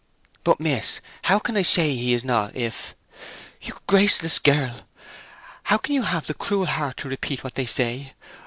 "But, miss, how can I say he is not if—" "You graceless girl! How can you have the cruel heart to repeat what they say?